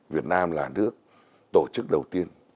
việt nam là nước tổ chức đầu tiên